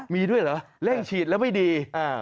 มีด้วยเหรอเร่งฉีดแล้วไม่ดี